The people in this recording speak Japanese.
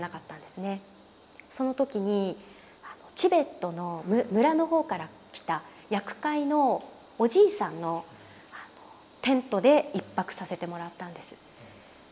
その時にチベットの村の方から来たヤク飼いのおじいさんのテントで１泊させてもらったんです。